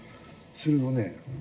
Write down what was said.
それをね